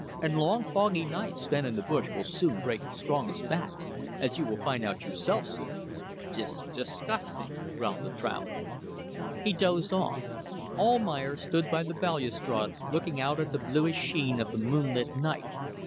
And long foggy nights spent in the bush will soon break the strongest backs as you will find out yourself soon." "Dis ... disgusting," growled the traveller. He dozed off. Almayer stood by the balustrade looking out at the bluish sheen of the moonlit night.